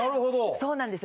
そうなんですよ。